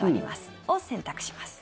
これを選択します。